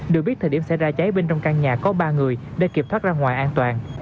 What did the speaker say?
được biết thời điểm xảy ra cháy bên trong căn nhà có ba người để kịp thoát ra ngoài an toàn